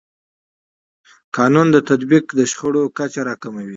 د قانون تطبیق د شخړو کچه راکموي.